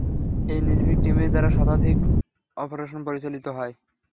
এই নির্ভীক টিমের দ্বারা শতাধিক অপারেশন পরিচালিত হয়।